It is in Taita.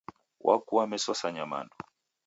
Wakua meso sa nyamandu